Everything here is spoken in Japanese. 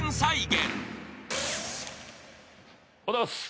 おはようございます。